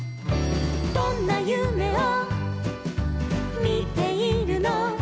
「どんなゆめをみているの」